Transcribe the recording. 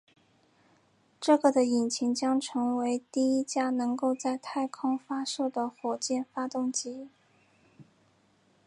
这个的引擎将成为第一架能够在太空发射的火箭发动机。